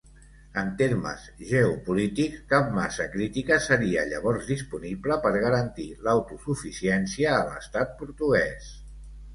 En termes geopolítics, cap massa crítica seria llavors disponible per garantir l'autosuficiència a l'Estat portuguès.